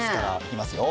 いきますよ。